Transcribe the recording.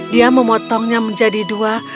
dia memotongnya menjadi dua